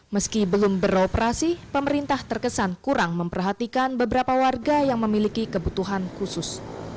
meski belum beroperasi pemerintah terkesan kurang memperhatikan beberapa warga yang memiliki kebutuhan khusus